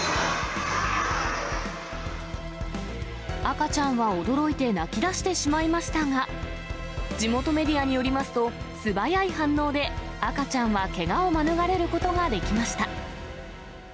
赤ちゃんは驚いて泣きだしてしまいましたが、地元メディアによりますと、素早い反応で、赤ちゃんはけがを免れることができました。